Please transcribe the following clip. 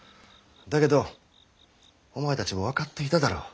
だけどお前たちも分かっていただろう。